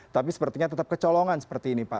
tapi sepertinya tetap kecolongan seperti ini pak